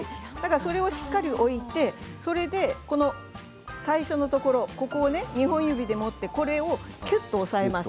それをしっかり置いて最初のところを２本指で持ってぎゅっと押さえます。